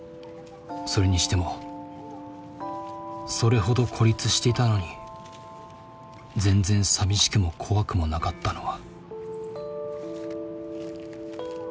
それにしてもそれほど孤立していたのに全然寂しくも怖くもなかったのは。